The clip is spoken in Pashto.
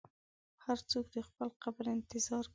هر څوک د خپل قبر انتظار کوي.